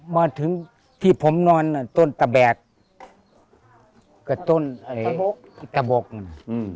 มาถึงที่ผมนอนต้นตะแบกกะต้นอะไรตะโบกอืม